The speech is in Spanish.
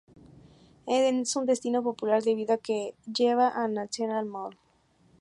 Es un destino popular debido a que lleva al National Mall.